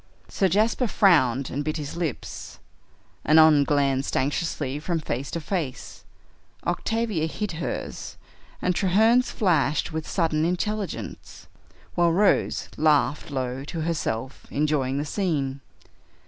Sir Jasper frowned and bit his lips, Annon glanced anxiously from face to face, Octavia hid hers, and Treherne's flashed with sudden intelligence, while Rose laughed low to herself, enjoying the scene.